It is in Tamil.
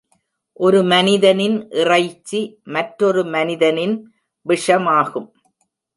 ஒரு மனிதனின் இறைச்சி மற்றொரு மனிதனின் விஷமாகும்.